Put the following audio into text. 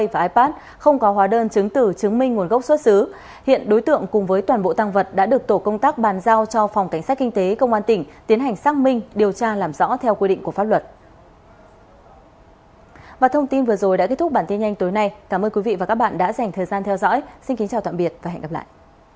và thông tin vừa rồi đã kết thúc bản tin nhanh tối nay cảm ơn quý vị và các bạn đã dành thời gian theo dõi xin kính chào tạm biệt và hẹn gặp lại